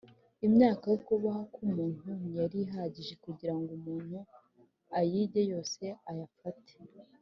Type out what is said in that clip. imyaka yo kubaho k’umuntu ntiyari ihagije kugira ngo umuntu ayige yose ayafate